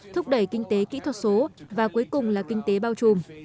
thúc đẩy kinh tế kỹ thuật số và cuối cùng là kinh tế bao trùm